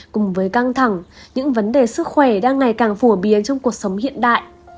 cùng với căng thẳng những vấn đề sức khỏe đang ngày càng phổ biến trong cuộc sống hiện đại